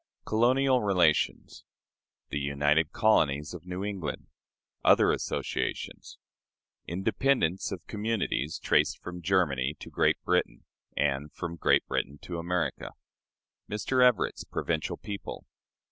Colonial Relations. The United Colonies of New England. Other Associations. Independence of Communities traced from Germany to Great Britain, and from Great Britain to America. Mr. Everett's "Provincial People."